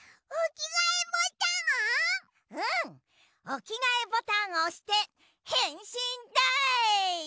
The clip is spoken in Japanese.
おきがえボタンをおしてへんしんだい！